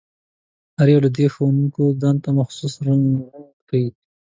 هر یو له دې ښودونکو ځانته مخصوص رنګ ښيي.